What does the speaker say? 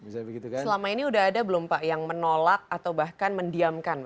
selama ini sudah ada belum pak yang menolak atau bahkan mendiamkan